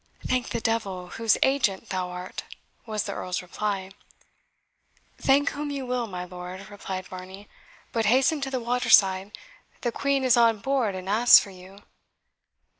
"Thank the devil, whose agent thou art," was the Earl's reply. "Thank whom you will, my lord," replied Varney; "but hasten to the water side. The Queen is on board, and asks for you."